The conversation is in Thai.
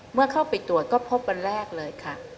เมื่อเข้าไปตรวจก็พบวันแรกเลยค่ะ